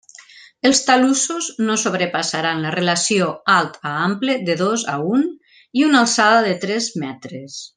Els talussos no sobrepassaran la relació alt a ample de dos a un i una alçada de tres metres.